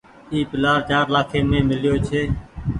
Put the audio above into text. اي پلآٽ چآر لآکي مين ميليو ڇي ۔